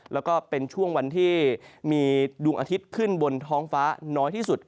แล้วก็เป็นช่วงวันที่มีดวงอาทิตย์ขึ้นบนท้องฟ้าน้อยที่สุด